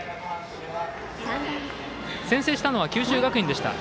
先制したのは九州学院でした。